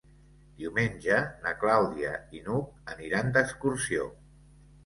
Diumenge na Clàudia i n'Hug aniran d'excursió.